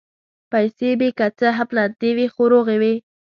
پیسې مې که څه هم لندې وې، خو روغې وې.